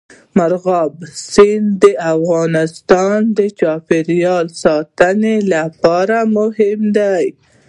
مورغاب سیند د افغانستان د چاپیریال ساتنې لپاره مهم دي.